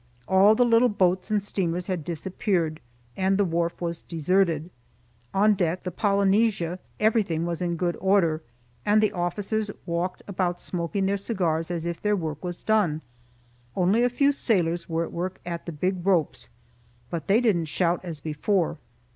All the little boats and steamers had disappeared, and the wharf was deserted. On deck the "Polynesia" everything was in good order, and the officers walked about smoking their cigars as if their work was done. Only a few sailors were at work at the big ropes, but they didn't shout as before.